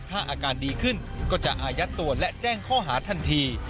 ถ้าอาการดีขึ้นก็จะอายัดตัวและแจ้งข้อหาทันที